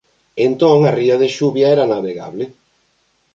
Entón a ría de Xuvia era navegable.